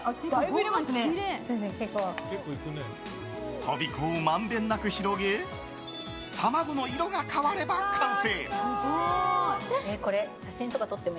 とびこをまんべんなく広げ卵の色が変われば完成。